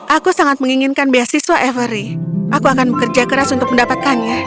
aku sangat menginginkan beasiswa every aku akan bekerja keras untuk mendapatkannya